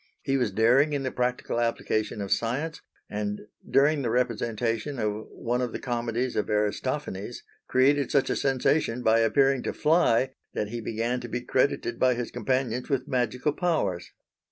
He was daring in the practical application of science, and during the representation of one of the comedies of Aristophanes, created such a sensation by appearing to fly, that he began to be credited by his companions with magical powers.